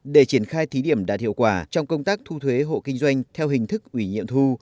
để triển khai thí điểm đạt hiệu quả trong công tác thu thuế hộ kinh doanh theo hình thức ủy nhiệm thu